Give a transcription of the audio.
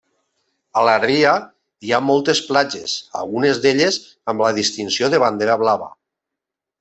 A la ria hi ha moltes platges, algunes d'elles amb la distinció de bandera blava.